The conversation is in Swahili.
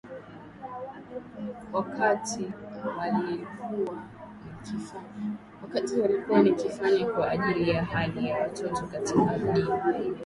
wakati walikuwa nikifanya kwa ajili ya hali ya watoto katika madini